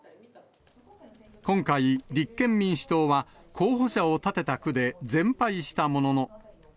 今回、立憲民主党は候補者を立てた区で全敗したものの。